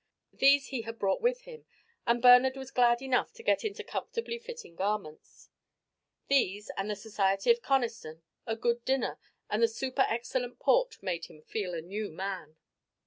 These he had brought with him, and Bernard was glad enough to get into comfortably fitting garments. These, and the society of Conniston, a good dinner and the super excellent port made him feel a new man.